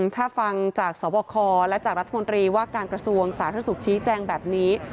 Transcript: ถ้าฟังจากสวบคและจากรัฐมนตรีว่าการกระทรวงสาธารณสุขชี้แจงแบบนี้